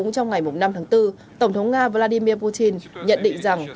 trong ngày năm tháng bốn tổng thống nga vladimir putin nhận định rằng